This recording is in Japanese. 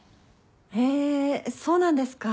へそうなんですか。